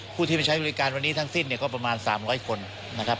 ผู้ที่ไปใช้บริการวันนี้ทั้งสิ้นเนี่ยก็ประมาณ๓๐๐คนนะครับ